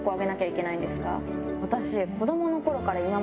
私。